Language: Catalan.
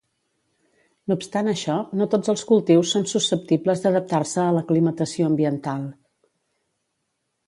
No obstant això, no tots els cultius són susceptibles d'adaptar-se a l'aclimatació ambiental.